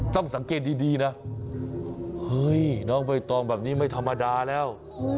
ต้องสังเกตดีนะเฮ้ยน้องใบตองแบบนี้ไม่ธรรมดาแล้ว